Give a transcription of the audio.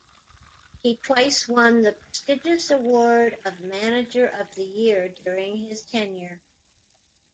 He twice won the prestigious award of Manager of the Year during his tenure.